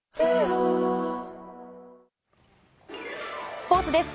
スポーツです。